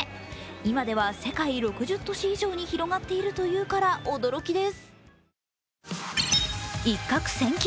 今では世界６０都市以上に広がっているというから驚きです。